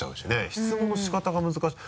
質問の仕方が難しい。